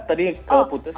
tadi kalau putus